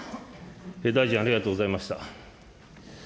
大臣、ありがとうございました。